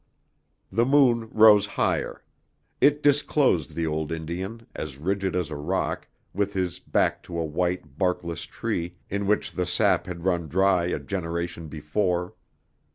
The moon rose higher. It disclosed the old Indian, as rigid as a rock, with his back to a white, barkless tree in which the sap had run dry a generation before.